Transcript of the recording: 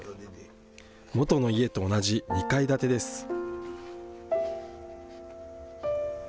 元の家と同じ２階建てです。